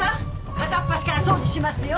片っ端から掃除しますよ。